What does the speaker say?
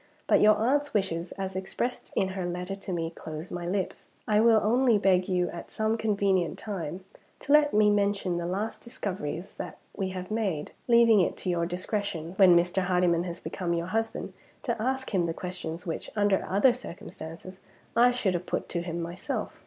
But your aunt's wishes, as expressed in her letter to me, close my lips. I will only beg you, at some convenient time, to let me mention the last discoveries that we have made; leaving it to your discretion, when Mr. Hardyman has become your husband, to ask him the questions which, under other circumstances, I should have put to him myself.